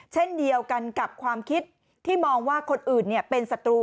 เช่นเดียวกันกับความคิดที่มองว่าคนอื่นเป็นศัตรู